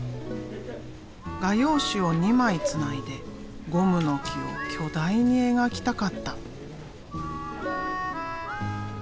画用紙を２枚つないでゴムの木を巨大に描きたかった。